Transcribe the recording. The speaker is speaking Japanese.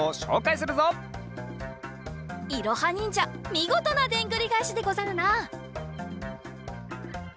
いろはにんじゃみごとなでんぐりがえしでござるな！